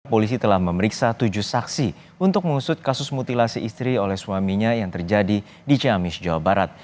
polisi telah memeriksa tujuh saksi untuk mengusut kasus mutilasi istri oleh suaminya yang terjadi di ciamis jawa barat